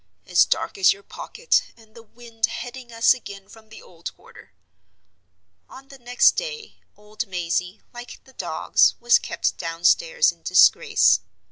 "As dark as your pocket, and the wind heading us again from the old quarter." On the next day old Mazey, like the dogs, was kept downstairs in disgrace.